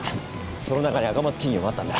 その中に赤松金融もあったんだ。